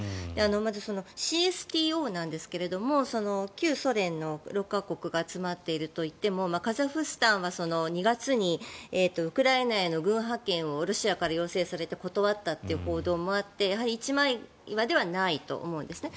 まず、ＣＳＴＯなんですが旧ソ連の６か国が集まっているといってもカザフスタンは２月にウクライナへの軍派遣をロシアから要請されて断ったという報道もあってやはり一枚岩ではないと思うんですね。